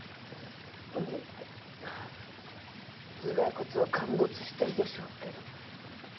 頭蓋骨は陥没してるでしょうけど。